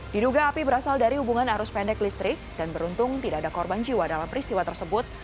diduga api berasal dari hubungan arus pendek listrik dan beruntung tidak ada korban jiwa dalam peristiwa tersebut